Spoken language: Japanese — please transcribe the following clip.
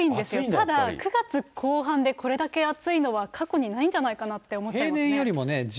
ただ９月後半でこれだけ暑いのは、過去にないんじゃないかなって思っちゃいますね。